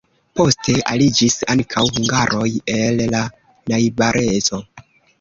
Poste aliĝis ankaŭ hungaroj el la najbareco.